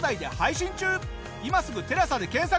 今すぐ「テラサ」で検索！